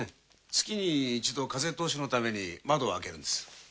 月に一度風通しのために窓を開けるんです。